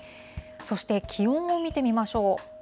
そして気温を見てみましょう。